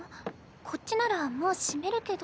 こっちならもう閉めるけど。